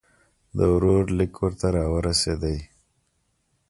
د ورور لیک ورته را ورسېدی.